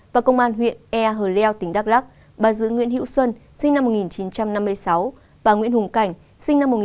và công an huyện e hờ leo tỉnh đắk lắc bà dữ nguyễn hữu xuân sinh năm một nghìn chín trăm năm mươi sáu bà nguyễn hùng cảnh sinh năm một nghìn chín trăm sáu mươi hai